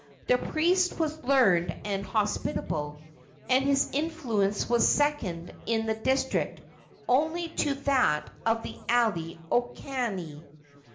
The priest was learned and hospitable, and his influence was second in the district only to that of the alii okane.